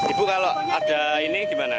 ibu kalau ada ini gimana